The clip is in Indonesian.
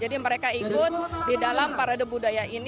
jadi mereka ikut di dalam parade budaya ini